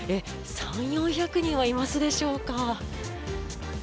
３００４００人はいますでしょうか。